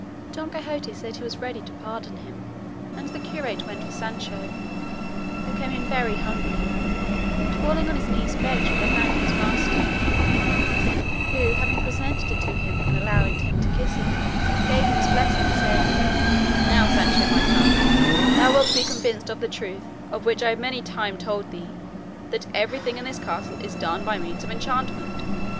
Don Quixote said he was ready to pardon him, and the curate went for Sancho, who came in very humbly, and falling on his knees begged for the hand of his master, who having presented it to him and allowed him to kiss it, gave him his blessing and said, "Now, Sancho my son, thou wilt be convinced of the truth of what I have many a time told thee, that everything in this castle is done by means of enchantment."